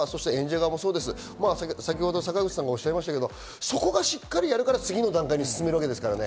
坂口さんが先ほどおっしゃいましたが、そこがしっかりやるから次の段階に進めるわけですからね。